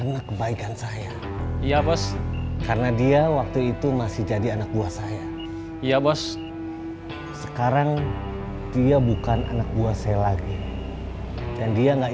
tapi masak juga